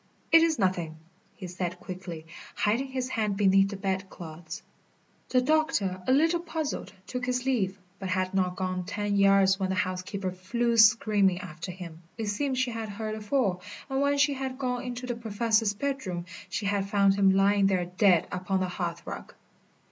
"It is nothing," he said quickly, hiding his hand beneath the bed clothes. The doctor, a little puzzled, took his leave, but had not gone ten yards when the housekeeper flew screaming after him. It seemed she had heard a fall, and when she had gone into the Professor's bedroom she had found him lying there dead upon the hearthrug.